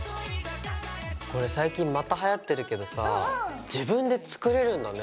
これ最近またはやってるけどさ自分で作れるんだね。